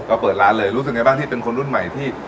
ก็เปิดร้านเลยรู้สึกไงบ้างที่เป็นคนรุ่นใหม่ที่